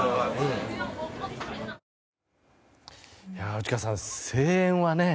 内川さん、声援はね